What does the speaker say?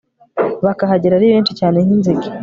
bakahagera ari benshi cyane nk'inzige